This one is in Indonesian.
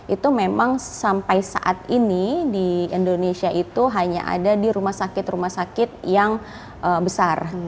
itu memang sampai saat ini di indonesia itu hanya ada di rumah sakit rumah sakit yang besar